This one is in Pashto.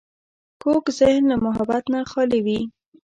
کوږ ذهن له محبت نه خالي وي